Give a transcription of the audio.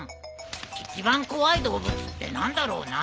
一番怖い動物って何だろうな。